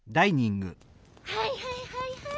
はいはいはいはい。